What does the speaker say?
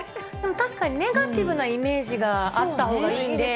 確かに、ネガティブなイメージがあったほうがいいんで。